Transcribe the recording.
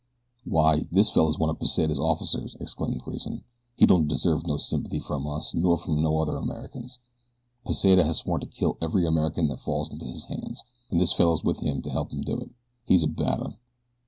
"Why this fellow's one of Pesita's officers," exclaimed Grayson. "He don't deserve no sympathy from us nor from no other Americans. Pesita has sworn to kill every American that falls into his hands, and this fellow's with him to help him do it. He's a bad un."